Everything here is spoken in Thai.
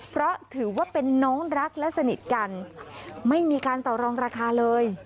เพราะถือว่าเป็นน้องรักและสนิทกันไม่มีการต่อรองราคาเลย